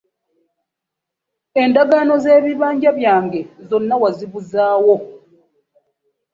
Endagaano z'ebibanja byange zonna wazibuzaawo.